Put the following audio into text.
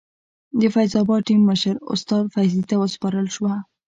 د فیض اباد ټیم مشر استاد فیضي ته وسپارل شوه.